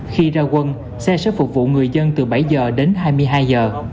khi ra quân xe sẽ phục vụ người dân từ bảy giờ đến hai mươi hai giờ